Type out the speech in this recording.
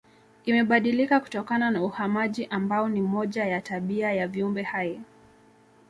Imebadilika kutokana na uhamaji ambao ni moja ya tabia ya viumbe hai